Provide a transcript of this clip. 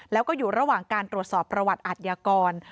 แล้วก็อยู่ระหว่างการตรวจสอบประวัติอาทยากร